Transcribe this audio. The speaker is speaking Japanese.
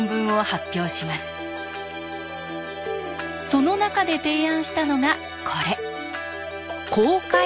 その中で提案したのがこれ。